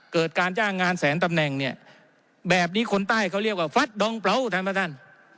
การจ้างงานแสนตำแหน่งเนี่ยแบบนี้คนใต้เขาเรียกว่าฟัดดองเปล่าท่านประธาน